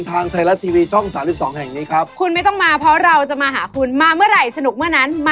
วันนี้ต้องขอบคุณนะครับขอบคุณคุณโจ๊กโซครูครับ